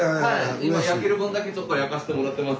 今焼ける分だけちょっと焼かせてもらってます。